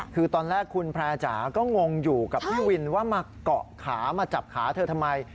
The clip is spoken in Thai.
คือตอนแรกคุณแพร่จ๋าก็งงอยู่กับพี่วินว่ามาเกาะขามาจับขาเธอทำไม